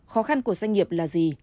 khó khăn của doanh nghiệp là gì